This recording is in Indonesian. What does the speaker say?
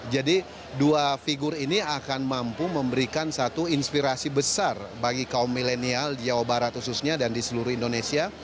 jadi dua figur ini akan mampu memberikan satu inspirasi besar bagi kaum milenial di jawa barat khususnya dan di seluruh indonesia